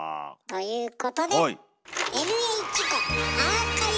ということで！